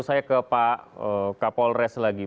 saya ke pak kapolres lagi